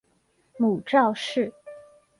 母赵氏。